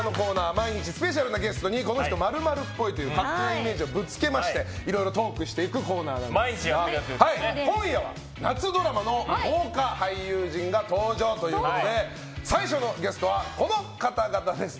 毎日スペシャルなゲストにこの人○○っぽいという勝手なイメージをぶつけましていろいろトークしていくコーナーですが今夜は夏ドラマの豪華俳優陣が登場ということで最初のゲストはこの方々です。